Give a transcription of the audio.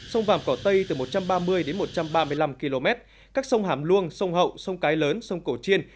sông vàm cỏ tây từ một trăm ba mươi đến một trăm ba mươi năm km các sông hàm luông sông hậu sông cái lớn sông cổ chiên